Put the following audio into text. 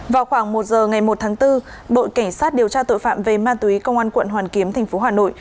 vào khoảng một giờ ngày một tháng bốn bộ cảnh sát điều tra tội phạm về ma túy công an quận hoàn kiếm tp hà nội